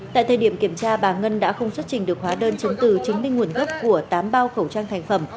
tại thời điểm kiểm tra bà ngân đã không xuất trình được hóa đơn chứng từ chứng minh nguồn gốc của tám bao khẩu trang thành phẩm